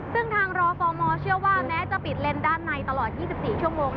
ซึ่งทางรอฟอร์มเชื่อว่าแม้จะปิดเลนส์ด้านในตลอด๒๔ชั่วโมง